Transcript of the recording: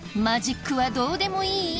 マジックはどうでもいい？